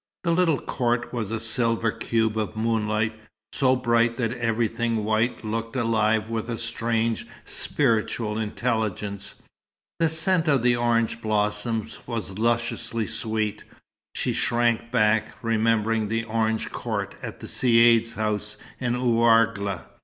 The little court was a silver cube of moonlight, so bright that everything white looked alive with a strange, spiritual intelligence. The scent of the orange blossoms was lusciously sweet. She shrank back, remembering the orange court at the Caïd's house in Ouargla.